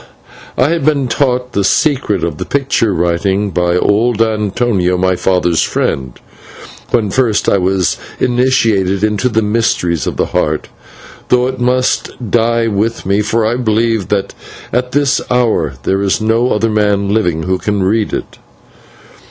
Now, I had been taught the secret of the picture writing by old Antonio, my father's friend, when first I was initiated into the mysteries of the Heart, though it must die with me, for I believe that at this hour there is no other man living who can read it.